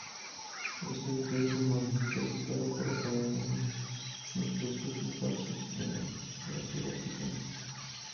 Esta victoria fue inmortalizada por Rafael en unos frescos pintados en el Palacio Vaticano.